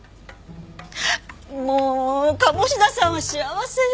もう鴨志田さんは幸せよ！